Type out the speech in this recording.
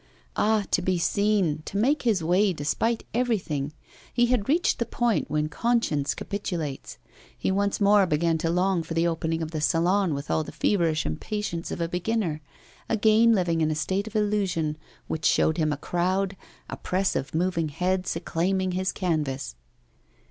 Ah! to be seen, to make his way despite everything! He had reached the point when conscience capitulates; he once more began to long for the opening of the Salon with all the feverish impatience of a beginner, again living in a state of illusion which showed him a crowd, a press of moving heads acclaiming his canvas.